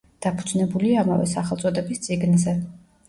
დაფუძნებულია ამავე სახელწოდების წიგნზე.